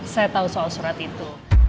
saya tahu soal surat itu